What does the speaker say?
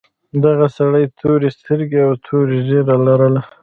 دغه سړي تورې سترګې او تور ږیره لرله.